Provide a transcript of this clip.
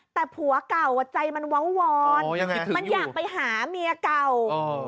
แต่ผัวก่าวใจมันวอนมาอยากไปหาเมียเก่าอยู่กิบถึงอยู่